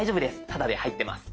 タダで入ってます。